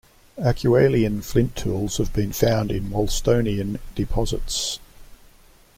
Acheulian flint tools have been found in Wolstonian deposits.